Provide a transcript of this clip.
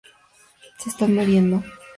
Se están muriendo.